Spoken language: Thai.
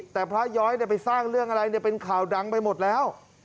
แต่พระย้อยไปสร้างเรื่องอะไรเป็นข่าวดังไปหมดแล้ว